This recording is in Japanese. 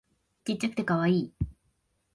ちっちゃくてカワイイ